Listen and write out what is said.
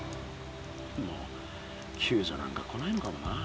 もうきゅうじょなんか来ないのかもな。